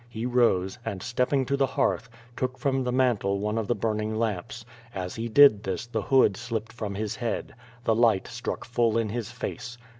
He rose, and stepping to the hearth, took from the mantel one of the burn ing lamps. As he did this the hood slipped from his head. The light struck full in his face.